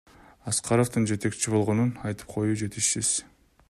Аскаровдун жетекчи болгонун айтып коюу жетишсиз.